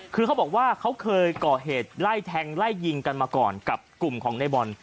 คือเขาบอกว่าเขาเคยก่อเหตุไล่แทงไล่ยิงกันมาก่อนกับกลุ่มของในบอล